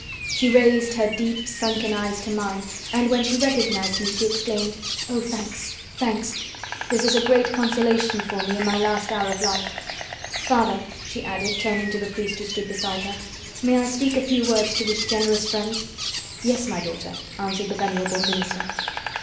She raised her deep, sunken eyes to mine, and, when she recognized me, she exclaimed: "Oh, thanks, thanks! This is a great consolation for me, in my last hour of life. Father," she added, turning to the priest who stood beside her, "may I speak a few words to this generous friend?" "Yes, my daughter," answered the venerable minister.